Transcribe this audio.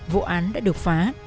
vụ án đã được phá